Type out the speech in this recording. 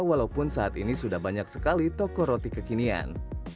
walaupun saat ini sudah banyak sekali toko roti kekinian